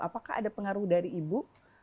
apakah ada pengaruh dari ibu